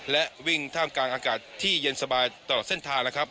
และวิ่งท่ามการอากาศที่เย็นสบายตลอดเส้นทาง